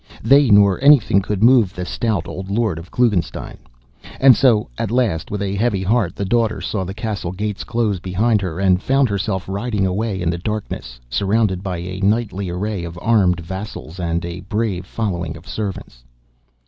They nor anything could move the stout old lord of Klugenstein. And so, at last, with a heavy heart, the daughter saw the castle gates close behind her, and found herself riding away in the darkness surrounded by a knightly array of armed, vassals and a brave following of servants.